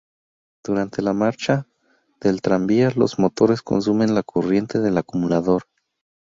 Durante la marcha del tranvía los motores consumen la corriente del acumulador.